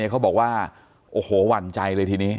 เขาบอกว่าโอ้โหหวั่นใจเลยทีนี้